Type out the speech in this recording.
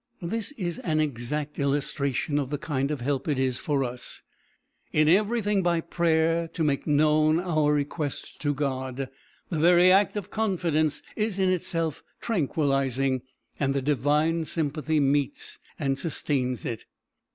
This is an exact illustration of the kind of help it is for us "in everything by prayer to make known our requests to God." The very act of confidence is in itself tranquilizing, and the divine sympathy meets and sustains it.